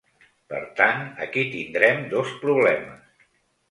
Per tant, aquí tindrem dos problemes.